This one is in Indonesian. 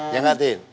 ya gak tin